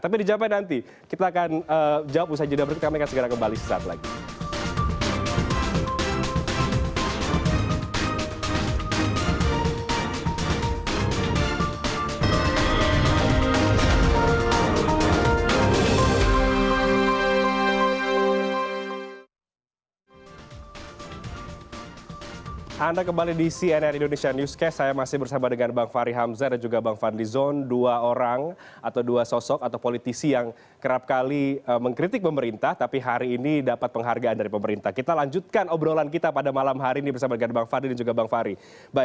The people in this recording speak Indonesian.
tapi dijawabkan nanti kita akan jawab usai juda berikutnya kami akan segera kembali sesaat lagi